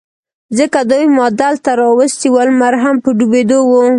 ځکه دوی ما دلته را وستي و، لمر هم په ډوبېدو و.